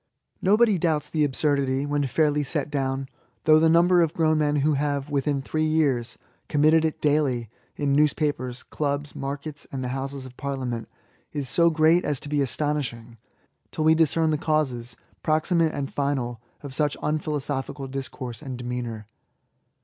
No body doubts the absurdity, when fairly set down ; though the number of grown men who have, within three years, committed it daily in news papers, clubs, markets, and the Houses of Parlia ment, is so great as to be astonishing, till we discern the causes, proximate and final, of such unphilosophical discourse and demeanour.